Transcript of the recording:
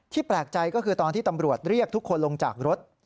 แปลกใจก็คือตอนที่ตำรวจเรียกทุกคนลงจากรถ